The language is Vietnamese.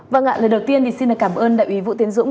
vâng ạ lời đầu tiên thì xin cảm ơn đại úy vũ tiến dũng